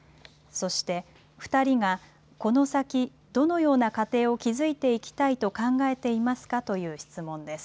そして、２人がこの先、どのような家庭を築いていきたいと考えていますかという質問です。